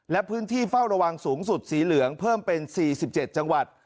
และพื้นที่เฝ้าระวังสูงสุดสีเหลืองเพิ่มเป็น๔๗จังหวัด